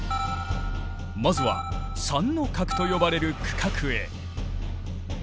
まずは「三の郭」と呼ばれる区画へ。